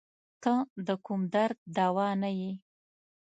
ته د کوم درد دوا نه یی